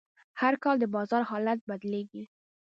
هر کال د بازار حالت بدلېږي.